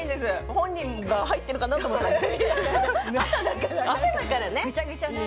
本人が入っているかなと思ったら朝だからね。